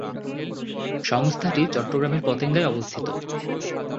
সংস্থাটি চট্টগ্রামের পতেঙ্গায় অবস্থিত।